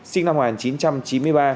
sinh năm một nghìn chín trăm chín mươi ba